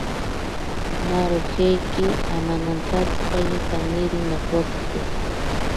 Narojeiki amanantantsipaye kaniri nokotsite.